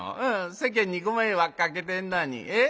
世間にご迷惑かけてんのに。